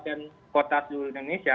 di undang undang kota sulawesi indonesia